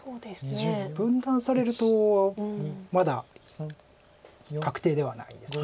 分断されるとまだ確定ではないです。